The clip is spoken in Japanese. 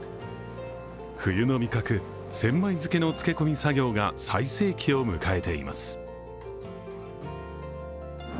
冬の味覚、千枚漬けの漬け込み作業が最盛期を迎えています。